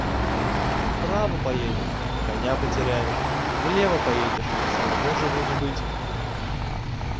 Вправо поедешь — коня потеряешь, влево поедешь — самому живу не быть.